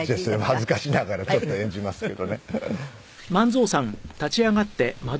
恥ずかしながらちょっと演じますけどね。